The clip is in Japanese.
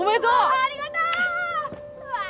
ありがとうー！